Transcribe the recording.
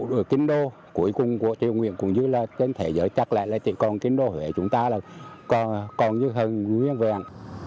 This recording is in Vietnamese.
rồi kinh đô cuối cùng của triều nguyễn cũng như là trên thế giới chắc lại là chỉ còn kinh đô huế chúng ta là còn như hơn nguyên vẹn